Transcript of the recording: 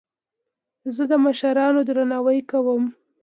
زه د مشرانو درناوی کوم.